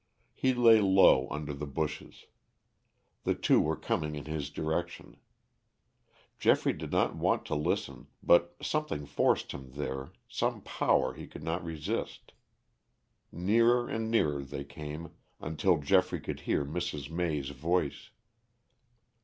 He lay low under the bushes. The two were coming in his direction. Geoffrey did not want to listen, but something forced him there, some power he could not resist. Nearer and nearer they came, until Geoffrey could hear Mrs. May's voice.